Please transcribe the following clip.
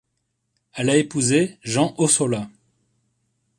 Elle a épousé Jean Ossola.